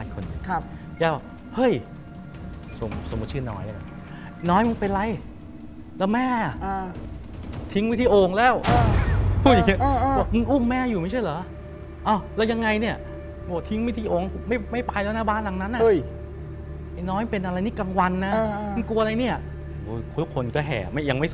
คนวิ่งไปดูแม่แม่นั่งอยู่ข้างโอ่ง